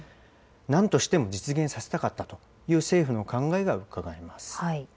なんとしても実現させたかったという政府の考えがうかがえます。